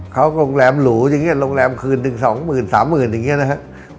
เขาก็โรงแรมหลูอย่างนี้โรงแรมคืน๑๒หมื่น๓หมื่นอย่างนี้นะครับ